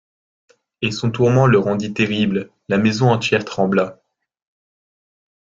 Et son tourment le rendit terrible, la maison entière trembla.